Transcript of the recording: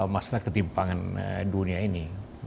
masalah ketimpangan dunia ini